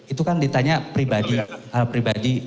itu kan ditanya pribadi